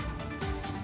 sian indonesia newscast